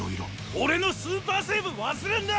俺のスーパーセーブ忘れんな！